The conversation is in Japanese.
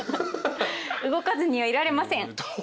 動かずにはいられません。